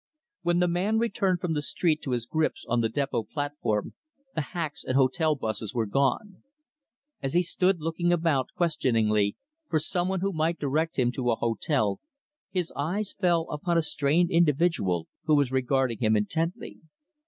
When the man returned from the street to his grips on the depot platform, the hacks and hotel buses were gone. As he stood looking about, questioningly, for some one who might direct him to a hotel, his eyes fell upon a strange individual who was regarding him intently.